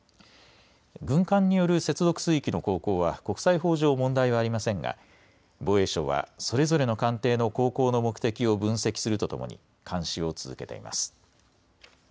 軍艦による接続水域の航行は国際法上問題はありませんが防衛省はそれぞれの艦艇の航行の目的を分析するとともに監視を続けています。